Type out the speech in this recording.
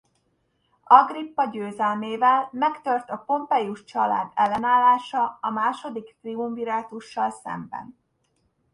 Agrippa győzelmével megtört a Pompeius család ellenállása a második triumvirátussal szemben.